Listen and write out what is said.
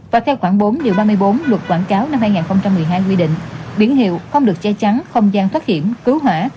và theo khoảng bốn điều ba mươi bốn luật quảng cáo năm hai nghìn một mươi hai quy định biển hiệu không được che chắn không gian thoát hiểm cứu hỏa